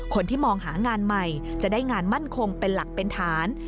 คนที่มองหางานใหม่จะได้งานมั่นคงเป็นหลักเป็นฐาน